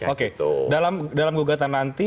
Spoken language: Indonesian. oke dalam gugatan nanti